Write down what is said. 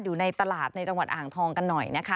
อยู่ในตลาดในจังหวัดอ่างทองกันหน่อยนะคะ